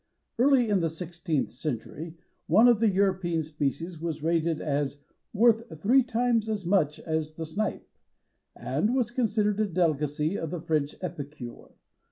Early in the sixteenth century one of the European species was rated as "worth three times as much as the snipe," and was considered a delicacy of the French epicure.